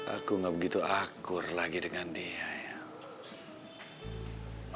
aku gak begitu akur lagi dengan dia ya allah